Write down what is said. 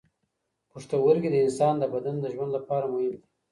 پښتورګي د انسان د بدن د ژوند لپاره مهم دي.